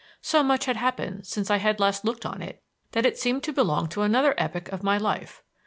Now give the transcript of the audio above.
So much had happened since I had last looked on it that it seemed to belong to another epoch of my life.